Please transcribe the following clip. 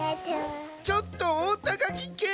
ちょっとおおたがきけ！